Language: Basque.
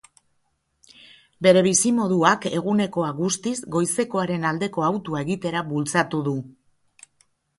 Bere bizimoduak, egunekoa guztiz, goizekoaren aldeko hautua egitera bultzatu du.